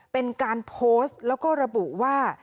เป็นการโพสต์แล้วก็ระบุว่า